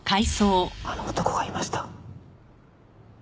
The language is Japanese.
あの男がいました。